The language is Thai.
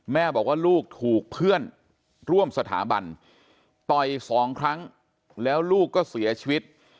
แม่บอกว่าลูกถูกเพื่อนร่วมสถาบันต่อยสองครั้งแล้วลูกก็เสียชีวิต